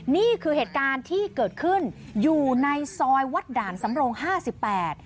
นี่คือเหตุการณ์ที่เกิดขึ้นอยู่ในซอยวัดด่านสำรงห้าสิบแปด